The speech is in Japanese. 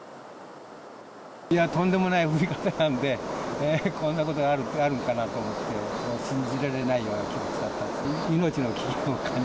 いや、とんでもない降り方なんで、こんなことがあるんかなと思って、信じられないような気持ちだったですね。